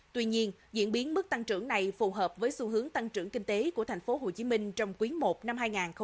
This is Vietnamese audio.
tuy nhiên diễn biến mức tăng trưởng này phù hợp với xu hướng tăng trưởng kinh tế của tp hcm trong quý i năm hai nghìn hai mươi